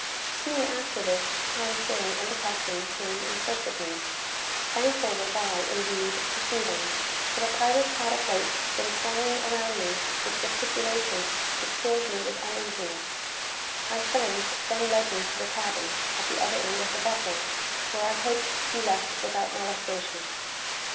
Soon after this, Than Sing and the captain came in search of me. Thankful was I, indeed, to see them; for the pirates had of late been thronging around me with gesticulations which filled me with uneasiness. My friends then led me to a cabin, at the other end of the vessel, where I hoped to be left without molestation.